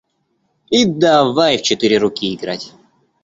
И давай в четыре руки играть.